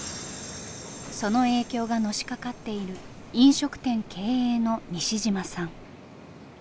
その影響がのしかかっている飲食店経営の西嶋さん。